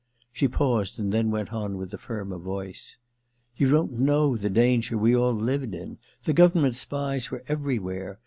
She paused, and then went on with a firmer voice. * You don't know the danger we all lived in. The government spies were everywhere.